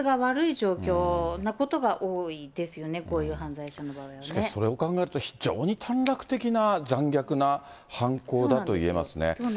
状況なことが多いですよね、しかしそれを考えると、非常に短絡的な、残虐な犯行だといえますね。